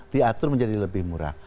diatur menjadi lebih murah